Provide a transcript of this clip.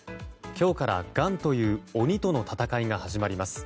今日からがんという鬼との闘いが始まります。